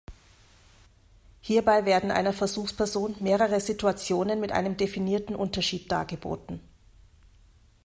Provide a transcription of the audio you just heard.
Hierbei werden einer Versuchsperson mehrere Situationen mit einem definierten Unterschied dargeboten.